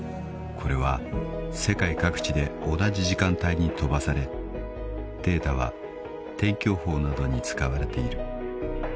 ［これは世界各地で同じ時間帯に飛ばされデータは天気予報などに使われている］